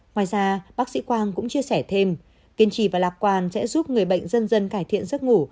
ngoài ra bác sĩ quang cũng chia sẻ thêm kiên trì và lạc quan sẽ giúp người bệnh dân dân cải thiện giấc ngủ